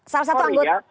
salah satu anggota